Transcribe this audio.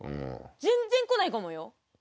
全然来ないかもよ！